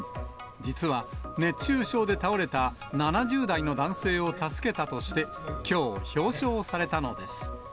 実は、熱中症で倒れた７０代の男性を助けたとして、きょう、表彰されたのです。